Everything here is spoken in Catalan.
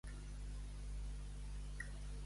Fer passar pel cul de Déu.